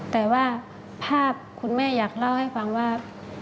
แต่ว่าภาพคุณแม่อยากเล่าให้ฟังว่า